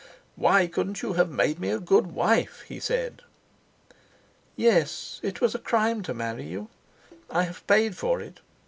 "Why couldn't you have made me a good wife?" he said. "Yes; it was a crime to marry you. I have paid for it.